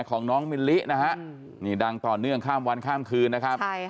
ของน้องมิลลินะฮะนี่ดังต่อเนื่องข้ามวันข้ามคืนนะครับ